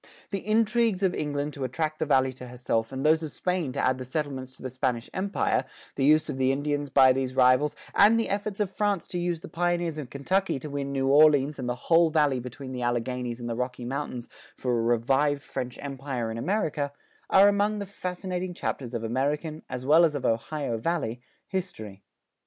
The intrigues of England to attract the Valley to herself and those of Spain to add the settlements to the Spanish Empire, the use of the Indians by these rivals, and the efforts of France to use the pioneers of Kentucky to win New Orleans and the whole Valley between the Alleghanies and the Rocky Mountains for a revived French Empire in America, are among the fascinating chapters of American, as well as of Ohio Valley, history.